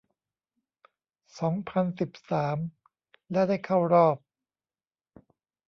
สองพันสิบสาม และได้เข้ารอบ